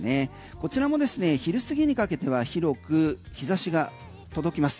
こちらも、昼過ぎにかけては広く日差しが届きます。